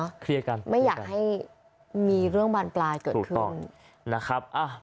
เคลียร์กันเคลียร์กันถูกต้องนะครับไม่อยากให้มีเรื่องบานปลาเกิดขึ้น